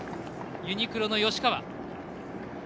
ユニクロの吉川。